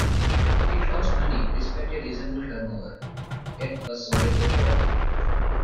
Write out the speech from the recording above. It lost money despite a reasonable turnover, yet was sold at a profit.